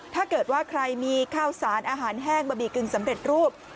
ถ้าเกิดว่าใครมีข้าวสารอาหารแห้งบะหมี่กึ่งสำเร็จรูป